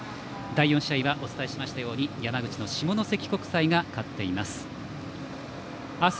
第４試合はお伝えしましたように山口の下関国際が勝っています。